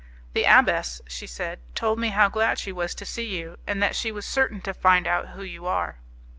"The abbess," she said, "told me how glad she was to see you, and that she was certain to find out who you are."